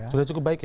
sudah cukup baik ya